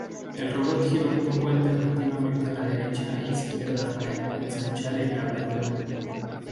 El robot giró un poco alternativamente a derecha e izquierda para ensanchar el agujero.